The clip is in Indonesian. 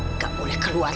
enggak boleh keluar